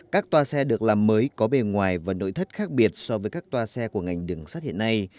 các toa xe được làm mới có bề ngoài và nội thất khác biệt so với các toa xe của ngành đường sắt hiện nay